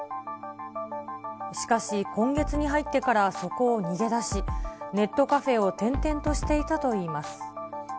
しかし、今月に入ってからそこを逃げ出し、ネットカフェを転々としていたといいます。